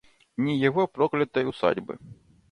ни его проклятой усадьбы.